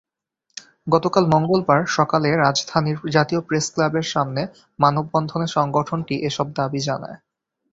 গতকাল মঙ্গলবার সকালে রাজধানীর জাতীয় প্রেসক্লাবের সামনে মানববন্ধনে সংগঠনটি এসব দাবি জানায়।